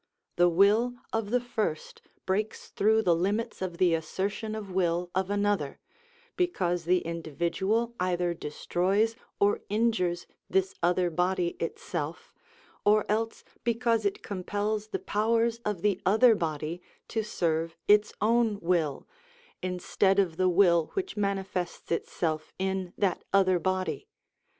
The will of the first breaks through the limits of the assertion of will of another, because the individual either destroys or injures this other body itself, or else because it compels the powers of the other body to serve its own will, instead of the will which manifests itself in that other body.